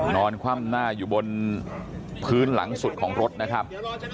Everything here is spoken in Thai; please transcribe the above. คว่ำหน้าอยู่บนพื้นหลังสุดของรถนะครับ